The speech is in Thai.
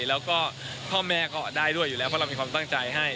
แล้วก็พ่อแม่ก็ได้ด้วยอยู่แล้วเพราะเรามีความตั้งใจให้